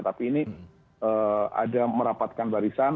tapi ini ada merapatkan barisan